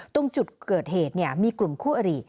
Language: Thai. ตรงจุดเกิดเหตุมีกลุ่มคู่อริ